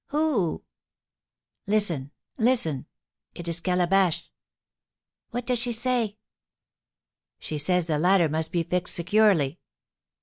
"Who?" "Listen, listen! It is Calabash." "What does she say?" "She says the ladder must be fixed securely."